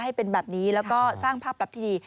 ให้เป็นแบบนี้แล้วก็สร้างภาพลับที่ดี